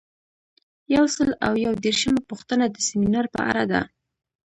یو سل او یو دیرشمه پوښتنه د سمینار په اړه ده.